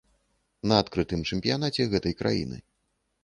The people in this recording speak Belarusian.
На адкрытым чэмпіянаце гэтай краіны.